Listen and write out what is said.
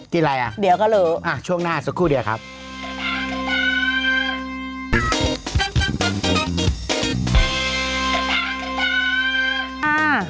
กินอะไรน่ะช่วงหน้าสักครู่เดี๋ยวครับเดี๋ยวก็หรือ